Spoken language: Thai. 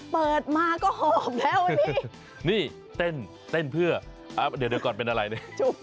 เปิดมาก็หอบแล้วนี่เต้นเต้นเพื่อเดี๋ยวก่อนเป็นอะไรเนี่ย